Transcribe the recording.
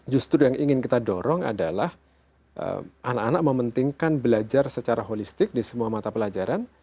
justru yang ingin kita dorong adalah anak anak mementingkan belajar secara holistik di semua mata pelajaran